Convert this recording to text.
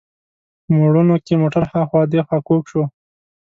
په موړونو کې موټر هاخوا دیخوا کوږ شو.